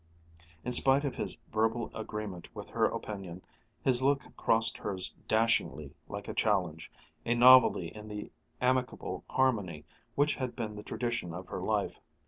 In spite of his verbal agreement with her opinion, his look crossed hers dashingly, like a challenge, a novelty in the amicable harmony which had been the tradition of her life.